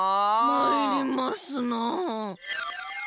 まいりますなあ。